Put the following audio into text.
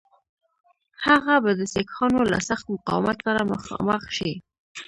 هغه به د سیکهانو له سخت مقاومت سره مخامخ شي.